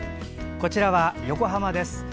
こちらは横浜です。